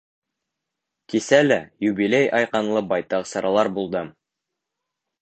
Кисә лә юбилей айҡанлы байтаҡ саралар булды.